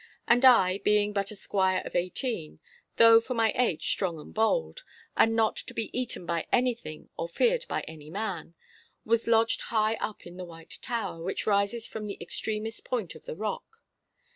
And I, being but a squire of eighteen (though for my age strong and bold, and not to be beaten by anything or feared by any man), was lodged high up in the White Tower, which rises from the extremest point of the rock.